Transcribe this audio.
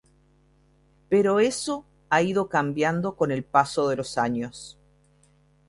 Pero eso ha ido cambiando con el paso de los años.